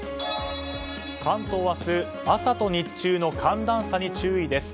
関東は明日朝と日中の寒暖差に注意です。